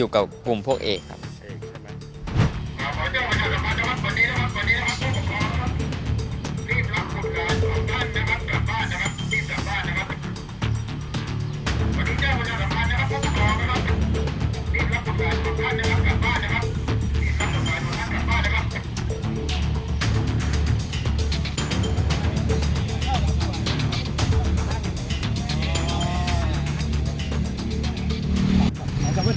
กับกลุ่มพวกเอกครับ